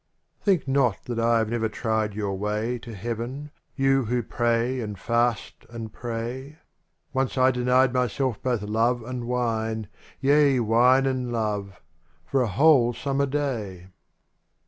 >> IHINK not that I have never tried your way To heaven, you who pray and fast and pray. Once I denied myself both love and wine. Yea wine and love — for a whole summer day.